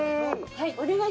はい。